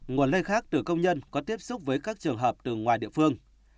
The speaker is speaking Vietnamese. nguồn lây khác từ công nhân có tiếp xúc với các trường hợp từ ngoài địa phương